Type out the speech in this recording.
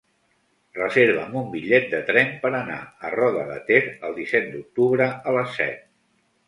Reserva'm un bitllet de tren per anar a Roda de Ter el disset d'octubre a les set.